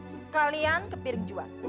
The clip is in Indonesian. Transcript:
sekalian ke piring juwan